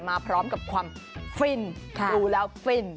มาพร้อมกับความฟินดูแล้วฟิน